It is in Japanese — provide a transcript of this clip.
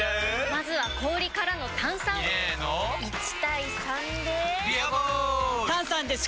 まずは氷からの炭酸！入れの１：３で「ビアボール」！